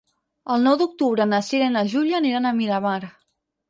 El nou d'octubre na Cira i na Júlia aniran a Miramar.